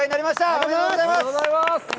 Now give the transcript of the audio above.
ありがとうございます。